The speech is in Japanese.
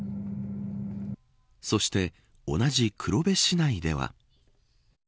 そして、同じ黒部市内では。